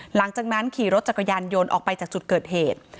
หลังจากนั้นขี่รถจักรยานยนต์ออกไปจากจุดเกิดเหตุ